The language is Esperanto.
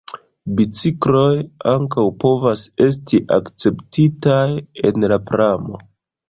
Bicikloj ankaŭ povas esti akceptitaj en la pramo.